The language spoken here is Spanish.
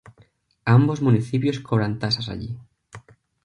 Ambos municipios cobran tasas allí.